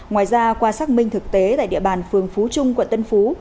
ngoài ra qua xác minh thực tế tại địa bàn phường phú trung quận tân phú